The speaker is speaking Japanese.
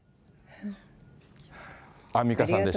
アンミカさんでした。